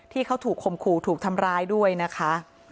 ที่เขาถูกคมขู่ถูกทำร้ายด้วยนะคะ